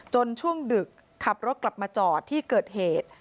ช่วงดึกขับรถกลับมาจอดที่เกิดเหตุ